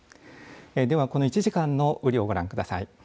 では、この１時間の雨量をご覧ください。